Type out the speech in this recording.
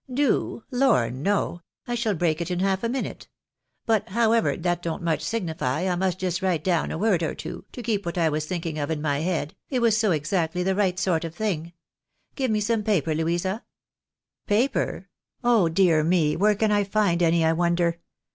" Do ? Lor no ! I shall break it in half a minute. But, however, that don t much signify, I may just write down a word or two, to keep what I was thinking of in my head, it was so exactly the right sort of thing. Give me some paper, Louisa? "" Paper ? Oh, dear me, where can I find any, I wonder